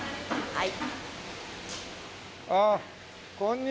はい。